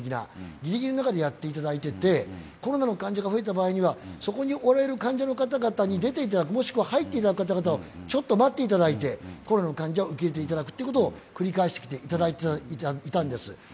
ギリギリの中でやっていただいていて、コロナの患者が増えた場合には、そこにおられる患者さんの方に出て行っていただくもしくは入っていただく方々をちょっと待っていただいてコロナ患者を受け入れていただくことを繰り返していただいたんです。